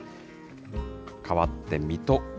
かわって水戸。